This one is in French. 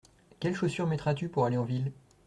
Quelles chaussures mettras-tu pour aller en ville ?